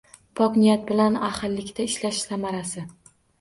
Pok niyat bilan ahillikda ishlash samarasi